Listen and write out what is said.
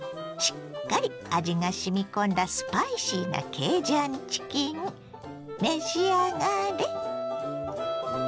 しっかり味がしみ込んだスパイシーなケイジャンチキン召し上がれ。